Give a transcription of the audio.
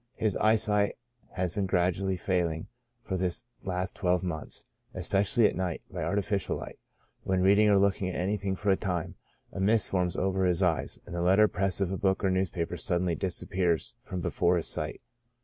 His eyesight has been gradually failing for this last twelvemonths, especially at night, by artificial hght ; when reading or looking at anything for a time, a mist forms over his eyes, and the letter press of a book or newspaper suddenly disappears from before his sight.